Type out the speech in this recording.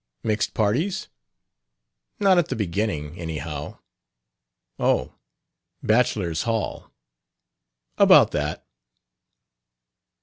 "Mixed parties?" "Not at the beginning, anyhow." "Oh; bachelor's hall." "About that."